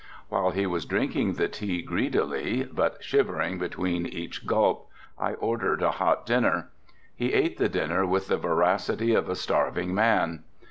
While he was drinking the tea greedily but shivering between each gulp I ordered a hot dinner. He ate the dinner with the voracity of a starving man.